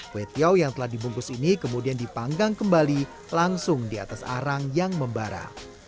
kue tiaw yang telah dibungkus ini kemudian dipanggang kembali langsung di atas arang yang membara